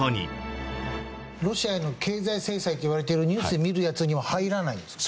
ロシアへの経済制裁といわれてるニュースで見るやつには入らないんですか？